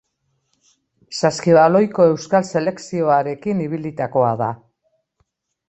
Saskibaloiko euskal selekzioarekin ibilitakoa da.